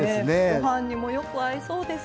ご飯にもよく合いそうです。